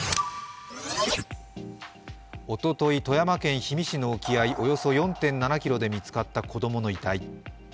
おととい、富山県氷見市の沖合およそ４．７ｋｍで見つかった子供の遺体。